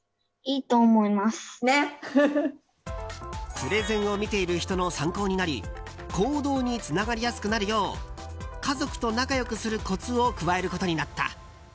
プレゼンを見ている人の参考になり行動につながりやすくなるよう家族と仲良くするコツを加えることになった。